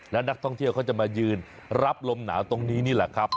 และนักท่องเที่ยวเขาจะมายืนรับลมหนาวตรงนี้นี่แหละครับ